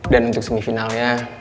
dan untuk semifinalnya